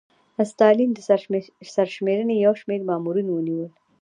ستالین د سرشمېرنې یو شمېر مامورین ونیول